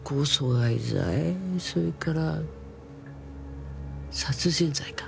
それから殺人罪か。